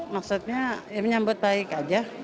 maksudnya menyambut baik saja